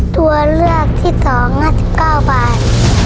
ตัวเลือกที่๒๕๙บาท